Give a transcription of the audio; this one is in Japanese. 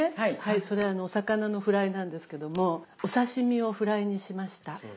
それあのお魚のフライなんですけどもお刺身をフライにしました。